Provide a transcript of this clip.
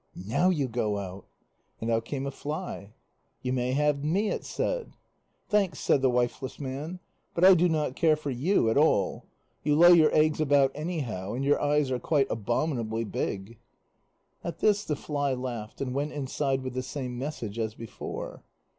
"Now you go out." And out came a fly. "You may have me," it said. "Thanks," said the wifeless man, "but I do not care for you at all. You lay your eggs about anyhow, and your eyes are quite abominably big." At this the fly laughed, and went inside with the same message as before.